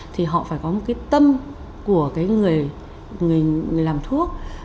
thì họ phải có một cái tâm của cái người làm thuốc